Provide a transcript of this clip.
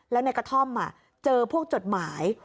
แล้วในกระท่อมเจอพวกจดหมาย